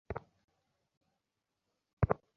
আর কাজটা একেবারে বিনামূল্যে করবো।